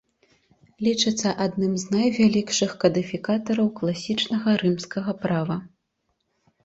Лічыцца адным з найвялікшых кадыфікатараў класічнага рымскага права.